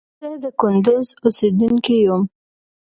زه د کندوز اوسیدونکي یم